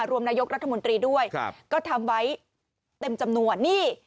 รวมนายกรัฐมนตรีด้วยก็ทำไว้เต็มจำนวนนี่